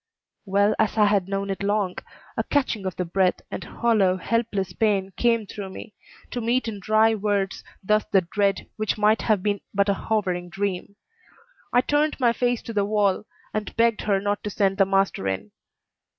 Well as I had known it long, a catching of the breath and hollow, helpless pain came through me, to meet in dry words thus the dread which might have been but a hovering dream. I turned my face to the wall, and begged her not to send the master in.